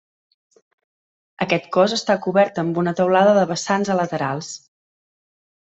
Aquest cos està cobert amb una teulada de vessants a laterals.